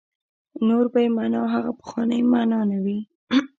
نور به یې معنا هغه پخوانۍ معنا نه وي.